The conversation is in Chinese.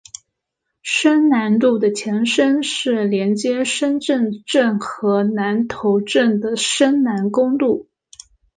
深南路的前身是连接深圳镇和南头镇的深南公路。